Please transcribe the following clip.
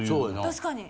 確かに。